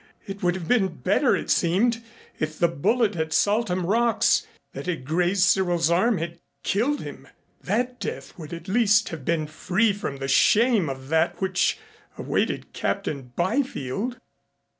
It would have been better, it seemed, if the bullet at Saltham Rocks that had grazed Cyril's arm had killed him. That death would at least have been free from the shame of that which awaited Captain Byfield.